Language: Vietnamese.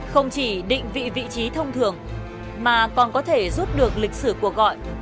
không chỉ định vị vị trí thông thường mà còn có thể rút được lịch sử cuộc gọi